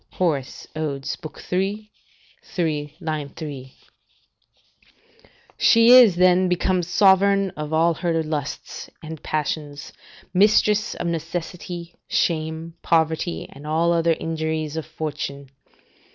Hor., Od., iii. 3, 3.] She is then become sovereign of all her lusts and passions, mistress of necessity, shame, poverty, and all the other injuries of fortune.